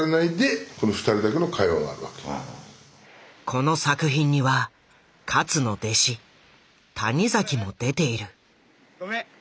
この作品には勝の弟子谷崎も出ている。